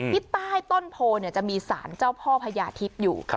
ที่ใต้ต้นโพจะมีสารเจ้าพ่อพญาทิพย์อยู่